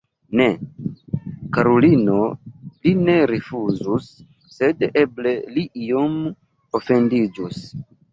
Ne, karulino, li ne rifuzus, sed eble li iom ofendiĝus.